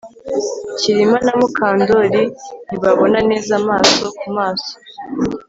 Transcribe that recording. Kirima na Mukandoli ntibabona neza amaso kumaso